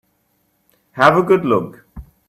Have a good look.